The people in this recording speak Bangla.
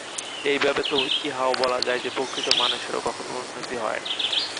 এইভাবে তো ইহাও বলা যায় যে, প্রকৃত মানুষেরও কখনও উন্নতি হয় না।